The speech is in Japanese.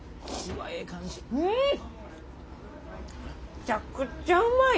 めちゃくちゃうまい。